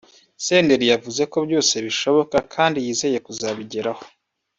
Senderi yavuze ko byose bishoboka kandi yizeye kuzabigeraho